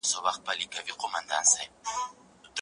زده کوونکي څنګه د شواهدو پر بنسټ کوي؟